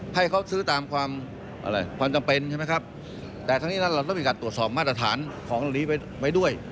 ให้เขาซื้อตามความอะไรความจำเป็นใช่ไหมครับแต่ทั้งนี้นั้นเราต้องมีการตรวจสอบมาตรฐานของเหล่านี้ไว้ด้วย